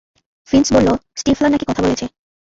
Finch বলল Stifler নাকি কথা বলেছে।